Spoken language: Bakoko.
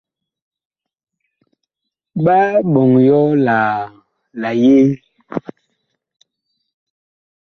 Ɓa ɓɔŋ yɔ la yee ?